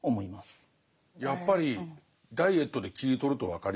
やっぱりダイエットで切り取ると分かりやすい。